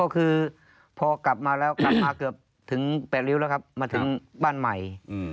คือพอกลับมาแล้วกลับมาเกือบถึง๘ริ้วแล้วครับมาถึงบ้านใหม่